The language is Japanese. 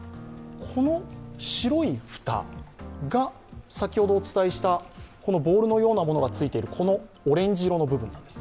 この白い蓋が先ほどお伝えしたボールのようなものがついているこのオレンジ色の部分です。